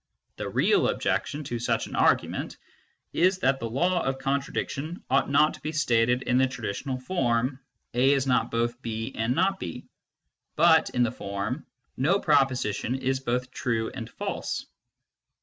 The real objection to such an argument is that the law of contradiction ought not to be stated in the traditional form " A is not both B and not B," but in the form " nc proposition is both true and false."